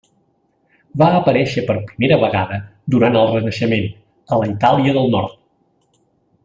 Va aparèixer per primera vegada durant el Renaixement, a la Itàlia del nord.